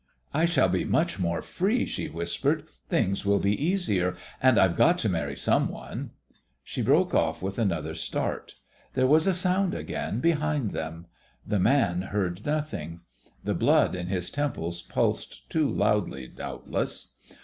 "I shall be much more free," she whispered. "Things will be easier. And I've got to marry some one " She broke off with another start. There was a sound again behind them. The man heard nothing. The blood in his temples pulsed too loudly, doubtless.